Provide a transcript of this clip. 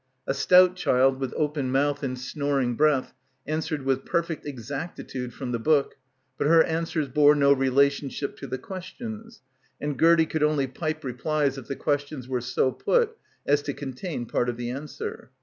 A stout child with open mouth and snoring breath answered with perfect exactitude from the book, but her answers bore no relationship to the questions, and Gertie could only pipe replies if the questions were so put as to contain part of the answer.